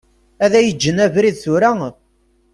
Ad yi-ğğen abrid tura.